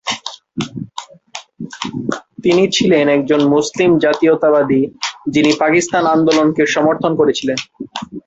তিনি ছিলেন একজন মুসলিম জাতীয়তাবাদী, যিনি পাকিস্তান আন্দোলনকে সমর্থন করেছিলেন।